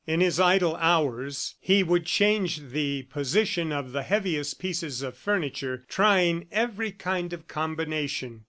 In his idle hours, he would change the position of the heaviest pieces of furniture, trying every kind of combination.